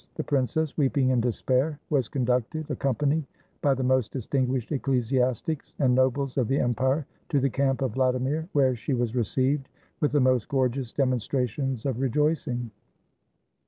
The princess, weeping in despair, was con ducted, accompanied by the most distinguished ecclesias tics and nobles of the empire, to the camp of Vladimir, where she was received with the most gorgeous demon strations of rejoicing.